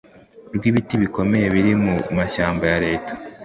rw ibiti bikomye biri mu mashyamba ya Leta